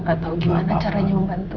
mama gak tahu gimana caranya membantu